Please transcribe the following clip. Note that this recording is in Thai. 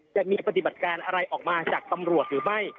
จะมีปฏิบัติการอะไรออกมาจากตำรวจหรือไม่